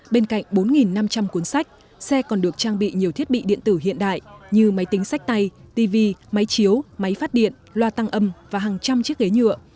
bên cạnh bốn năm trăm linh cuốn sách xe còn được trang bị nhiều thiết bị điện tử hiện đại như máy tính sách tay tv máy chiếu máy phát điện loa tăng âm và hàng trăm chiếc ghế nhựa